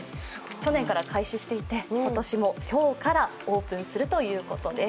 去年から開始していて、今年も今日からオープンするということです。